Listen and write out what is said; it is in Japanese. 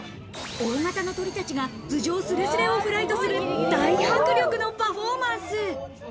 大型の鳥たちが、頭上すれすれをフライトする大迫力のパフォーマンス。